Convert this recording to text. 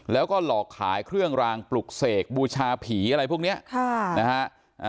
แล้วก็หลอกขายเครื่องรางปลุกเสกบูชาผีอะไรพวกเนี้ยค่ะนะฮะ